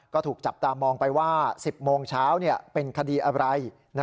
ก็ถูกจับตามองไปว่า๑๐โมงเช้าเป็นคดีอะไร